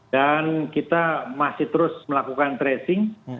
kita masih terus melakukan tracing